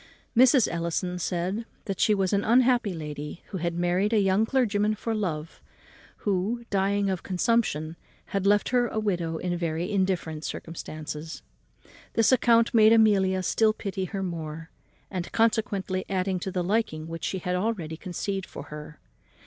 Mrs. Ellison said that she was an unhappy lady, who had married a young clergyman for love, who, dying of a consumption, had left her a widow in very indifferent circumstances. This account made Amelia still pity her more, and consequently added to the liking which she had already conceived for her.